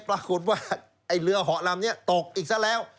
ปรากฏว่าไอ้เรือเหาะลำนี้ตกอีกซะแล้ว